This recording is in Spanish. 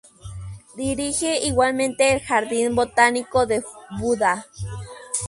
Dirige igualmente el jardín botánico de Buda.